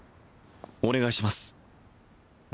お願いします